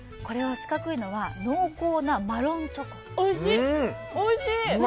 四角いのは濃厚なマロンチョコ。